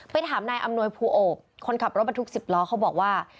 ถามนายอำนวยภูโอบคนขับรถบรรทุก๑๐ล้อเขาบอกว่า